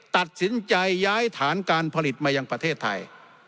ตัดสินใจย้ายฐานการผลิตมายังประเทศไทย